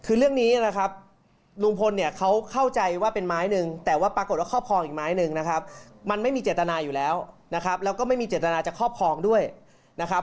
คือเรื่องนี้นะครับลุงพลเนี่ยเขาเข้าใจว่าเป็นไม้หนึ่งแต่ว่าปรากฏว่าครอบครองอีกไม้หนึ่งนะครับมันไม่มีเจตนาอยู่แล้วนะครับแล้วก็ไม่มีเจตนาจะครอบครองด้วยนะครับ